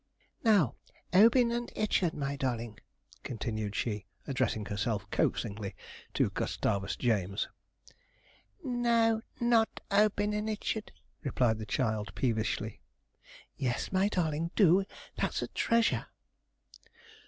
'Now, "Obin and Ichard," my darling,' continued she, addressing herself coaxingly to Gustavus James. 'No, not "Obin and Ichard,"' replied the child peevishly. 'Yes, my darling, do, that's a treasure.'